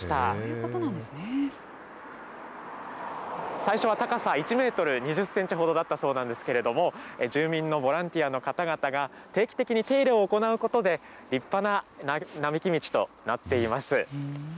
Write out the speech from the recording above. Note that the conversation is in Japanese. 最初は高さ１メートル２０センチほどだったそうなんですけれども、住民のボランティアの方々が、定期的に手入れを行うことで、立派な並木道となっています。